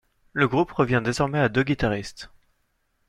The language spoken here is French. Le groupe revient désormais à deux guitaristes.